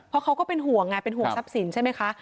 เพราะเขาก็เป็นห่วงไงเป็นห่วงทรัพย์สินใช่ไหมคะ